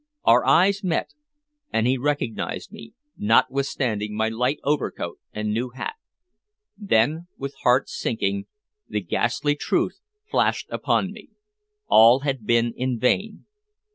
Our eyes met, and he recognized me, notwithstanding my light overcoat and new hat. Then, with heart sinking, the ghastly truth flashed upon me. All had been in vain.